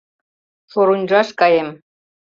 — Шор-Уньжаш каем.